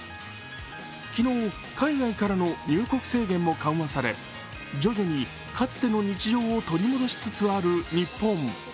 昨日、海外からの入国制限も緩和され、徐々にかつての日常を取り戻しつつある日本。